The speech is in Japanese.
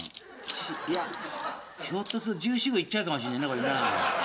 いやひょっとすると１４１５いっちゃうかもしんないこれな。